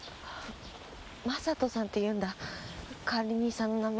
真人さんって言うんだ管理人さんの名前。